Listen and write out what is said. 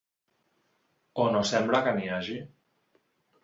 O no sembla que n’hi hagi.